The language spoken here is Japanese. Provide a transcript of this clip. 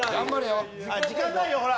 時間ないよほら。